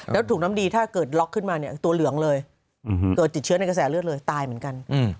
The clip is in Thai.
แล้วถุงน้ำดีถ้าเกิดล็อกขึ้นมาเนี่ยตัวเหลืองเลยเกิดติดเชื้อในกระแสเลือดเลยตายเหมือนกัน